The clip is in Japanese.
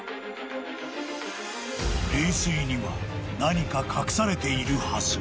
［霊水には何か隠されているはず］